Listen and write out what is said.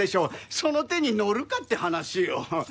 その手に乗るかって話よ。